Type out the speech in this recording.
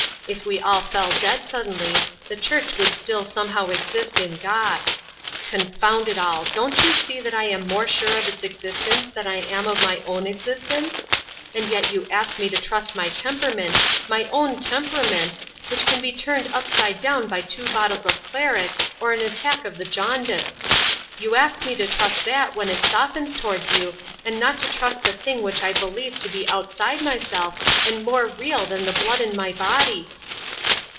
If we all fell dead suddenly, the Church would still somehow exist in God. Confound it all, don't you see that I am more sure of its existence than I am of my own existence? And yet you ask me to trust my temperament, my own temperament, which can be turned upside down by two bottles of claret or an attack of the jaundice. You ask me to trust that when it softens towards you and not to trust the thing which I believe to be outside myself and more real than the blood in my body."